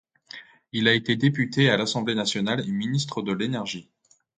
Il a été député à l'Assemblée nationale et ministre de l’Énergie.